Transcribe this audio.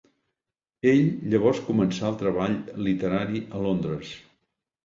Ell llavors començà el treball literari a Londres.